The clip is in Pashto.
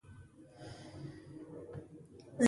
ځینو خلکو په چیني بیا ګوزارونه وکړل.